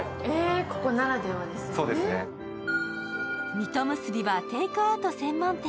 水戸むすびはテイクアウト専門店。